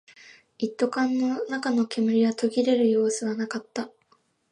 一斗缶の中の煙は途切れる様子はなかった